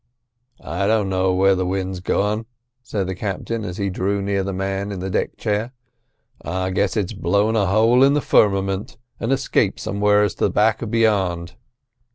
"I don't know where the wind's gone," said the captain as he drew near the man in the deck chair. "I guess it's blown a hole in the firmament, and escaped somewheres to the back of beyond."